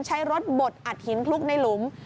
ใช้รถบดอัดหินคลุกในหลุม